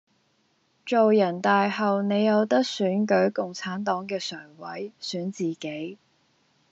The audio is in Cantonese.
做人大後你有得選舉共產黨既常委，選自己